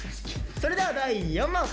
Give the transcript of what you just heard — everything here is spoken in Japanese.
それでは第４問。